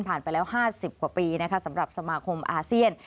ไปแล้ว๕๐กว่าปีนะคะสำหรับสมาคมอาเซียน